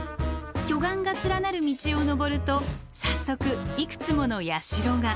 巨岩が連なる道を登ると早速いくつもの社が。